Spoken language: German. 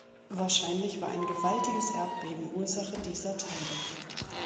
Wahrscheinlich war ein gewaltiges Erdbeben Ursache dieser Teilung.